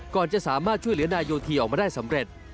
จะสามารถช่วยเหลือนายโยธีออกมาได้สำเร็จ